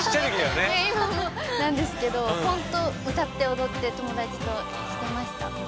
いや今もなんですけどほんと歌って踊って友達としてました。